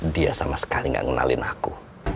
dia sama sekali gak ngenalin aku